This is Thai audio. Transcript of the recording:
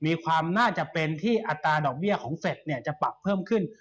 มีความน่าจะเป็นที่อัตราดอกเบี้ยของเฟสเนี่ยจะปรับเพิ่มขึ้น